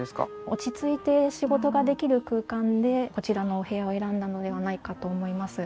落ち着いて仕事ができる空間でこちらのお部屋を選んだのではないかと思います。